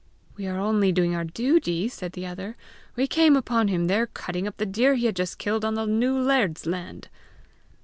"We are only doing our duty!" said the other. "We came upon him there cutting up the deer he had just killed on the new laird's land."